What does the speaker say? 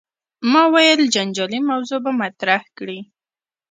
ما ویل جنجالي موضوع به مطرح کړې.